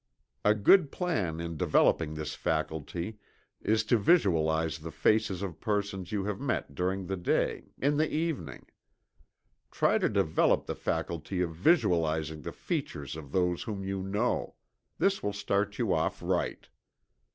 A good plan in developing this faculty is to visualize the faces of persons you have met during the day, in the evening. Try to develop the faculty of visualizing the features of those whom you know this will start you off right.